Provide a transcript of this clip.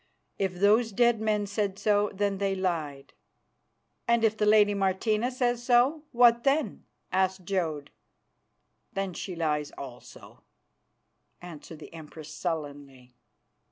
If those dead men said so, then they lied." "And if the lady Martina says so, what then?" asked Jodd. "Then she lies also," answered the Empress sullenly.